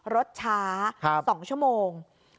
รถช้า๒ชั่วโมง